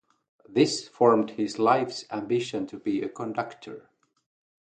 This formed his life's ambition to be a conductor.